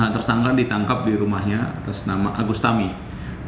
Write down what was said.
tersangka ditangkap di rumahnya tersenama agusta mie